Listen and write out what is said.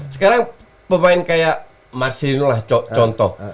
sekarang pemain kayak marcelino lah contoh